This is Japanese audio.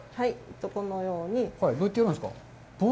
このように。